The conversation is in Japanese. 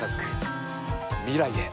未来へ。